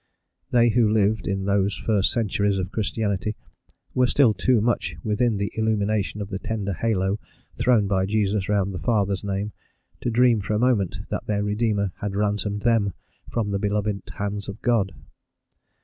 They who lived in those first centuries of Christianity were still too much within the illumination of the tender halo thrown by Jesus round the Father's name, to dream for a moment that their redeemer had ransomed them from the beloved hands of God.